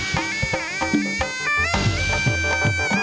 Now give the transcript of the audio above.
mereka akan menjelaskan kekuatan mereka